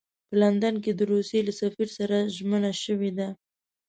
په لندن کې د روسیې له سفیر سره ژمنه شوې ده.